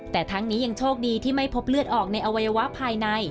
แต่ทั้งนี้ยังโชคดีที่ไม่พบเลือดออกในอวัยวะภายใน